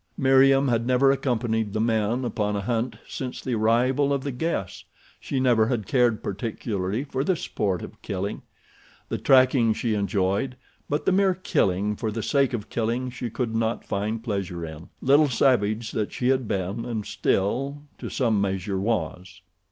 Meriem had never accompanied the men upon a hunt since the arrival of the guests. She never had cared particularly for the sport of killing. The tracking she enjoyed; but the mere killing for the sake of killing she could not find pleasure in—little savage that she had been, and still, to some measure, was.